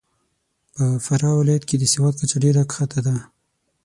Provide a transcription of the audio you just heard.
په فراه ولایت کې د سواد کچه ډېره کښته ده .